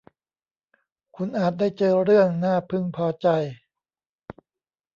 คุณอาจได้เจอเรื่องน่าพึงพอใจ